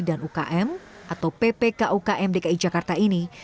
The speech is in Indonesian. dan ukm atau ppk ukm dki jakarta ini